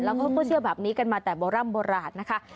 เขาก็เชื่อแบบนี้กันมาแต่โบร่ำโบราณนะคะ